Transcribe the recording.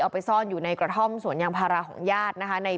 ไปซ่อนอยู่ในกระท่อมสวนยางพาราของญาตินะคะ